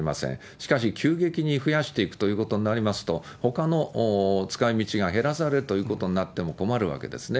しかし急激に増やしていくということになりますと、ほかの使いみちが減らされるということになっても困るわけですね。